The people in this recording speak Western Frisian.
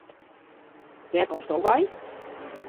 Wêr komsto wei?